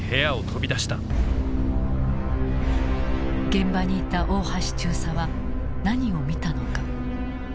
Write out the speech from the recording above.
現場にいた大橋中佐は何を見たのか。